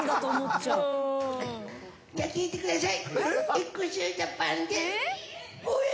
じゃあ聴いてください。